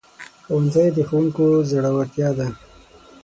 ښوونځی د ښوونکو زړورتیا ده